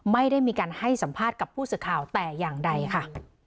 ไม่ได้มีการให้สัมภาษณ์กับผู้สื่อข่าวแต่อย่างใดค่ะ